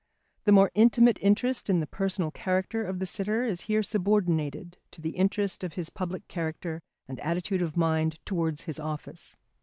The more intimate interest in the personal character of the sitter is here subordinated to the interest of his public character and attitude of mind towards his office.